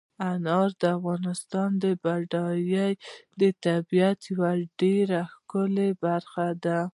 انار د افغانستان د بډایه طبیعت یوه ډېره ښکلې برخه ده.